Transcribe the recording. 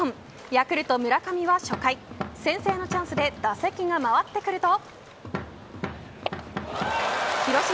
ヤクルト村上は初回先頭のチャンスで打席が回ってくると。